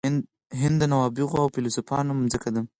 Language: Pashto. هند د نوابغو او فیلسوفانو مځکه ده.